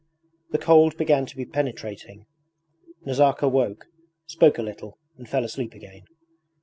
The cold began to be penetrating. Nazarka awoke, spoke a little, and fell asleep again.